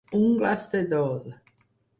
Ungles de dol.